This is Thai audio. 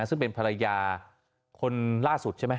ซึ่งเป็นภรรยาคนล่าสุดใช่ไหม